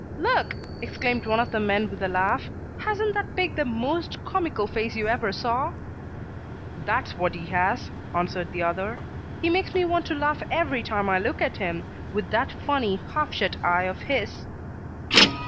"Look!" exclaimed one of the men with a laugh. "Hasn't that pig the most comical face you ever saw?" "That's what he has," answered the other. "He makes me want to laugh every time I look at him, with that funny half shut eye of his."